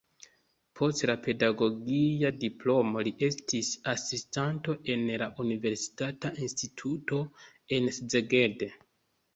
Post la pedagogia diplomo li estis asistanto en la universitata instituto en Szeged.